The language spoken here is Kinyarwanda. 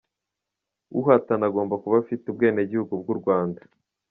Uhatana agomba kuba afite ubwenegihugu bw’u Rwanda .